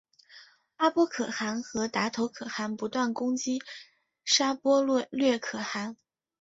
阿波可汗和达头可汗不断攻击沙钵略可汗。